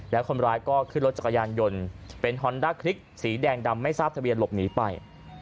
แล้วคนร้ายก็ขึ้นรถจักรยานยนต์เป็นฮอนด้าคลิกสีแดงดำไม่ทราบทะเบียนหลบหนีไป